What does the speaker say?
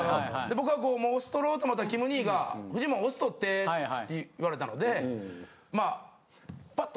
僕がこうお酢取ろうと思ったらキム兄が「フジモンお酢取って」って言われたのでまあパッ！